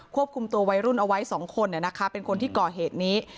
ควบคุมตัววัยรุ่นเอาไว้๒คนเป็นคนที่ก่อเหตุนี้